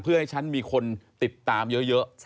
เพื่อให้ฉันมีคนติดตามเยอะ